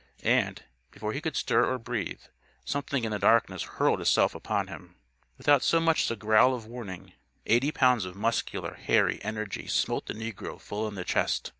And, before he could stir or breathe, something in the darkness hurled itself upon him. Without so much as a growl of warning, eighty pounds of muscular, hairy energy smote the negro full in the chest.